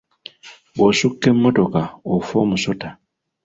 Bw’osukka emmotoka ofa omusota.